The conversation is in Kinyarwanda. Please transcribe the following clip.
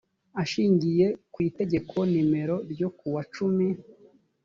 ashingiye ku itegeko nimero ryo kuwa cumi